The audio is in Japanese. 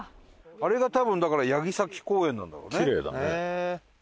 あれが多分だから八木崎公園なんだろうね。